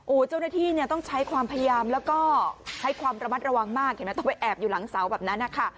เจ้าหน้าที่เนี่ยต้องใช้ความพยายามแล้วก็ใช้ความระมัดระวังมากเห็นไหมต้องไปแอบอยู่หลังเสาแบบนั้นนะคะ